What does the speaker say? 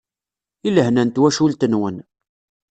I lehna n twacult-nwen.